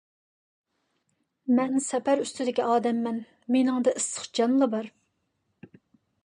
مەن سەپەر ئۈستىدىكى ئادەممەن، مېنىڭدە ئىسسىق جانلا بار.